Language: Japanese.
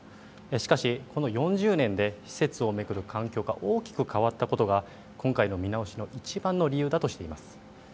しかし、この４０年で施設を巡る環境が大きく変わったことが今回の見直しのいちばんの理由だとしています。